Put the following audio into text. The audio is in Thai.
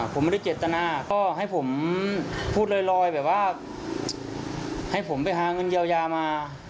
ผมไม่ได้เจตนาก็ให้ผมพูดลอยแบบว่าให้ผมไปหาเงินเยียวยามา